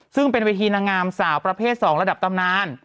ซึ่งเป็นเวทีนางงามสาวประเภท๒ระดับตำนาน